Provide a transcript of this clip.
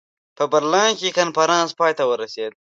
په برلین کې کنفرانس پای ته ورسېد.